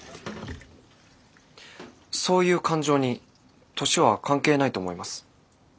そういう感情に年は関係ないと思います。